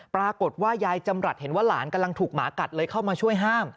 ปรากฏว่ายายจำรัฐเห็นว่าหลานกำลังถูกหมากัดเลยเข้ามาช่วยห้าม